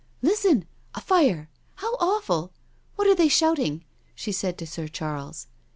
"Listen I A fire I How awful I What are they shouting?" she said to Sir Charles.